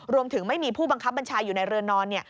รวมถึงไม่มีผู้บังคับบัญชาอยู่ในเรือนนอน